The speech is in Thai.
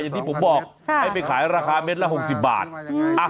อย่างที่ผมบอกค่ะให้ไปขายราคาเมตรละหกสิบบาทอ่ะ